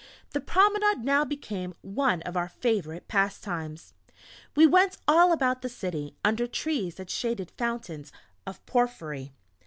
The promenade now became one of our favourite pastimes. We went all about the city, under trees that shaded fountains of porphry.